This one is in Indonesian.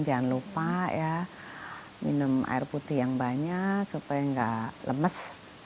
jangan lupa ya minum air putih yang banyak supaya nggak lemes